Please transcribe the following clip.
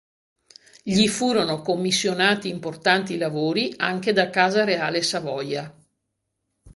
Gli furono commissionati importanti lavori anche da Casa Reale Savoia.